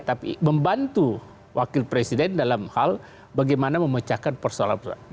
tapi membantu wakil presiden dalam hal bagaimana memecahkan persoalan persoalan